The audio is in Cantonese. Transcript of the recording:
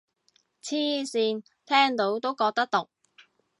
黐線，聽到都覺得毒